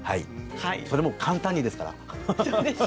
それも簡単にですからね。